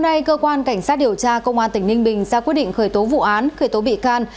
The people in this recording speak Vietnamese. hôm nay cơ quan cảnh sát điều tra công an tỉnh ninh bình ra quyết định khởi tố vụ án khởi tố bị can